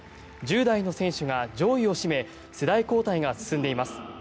１０代の選手が上位を占め世代交代が進んでいます。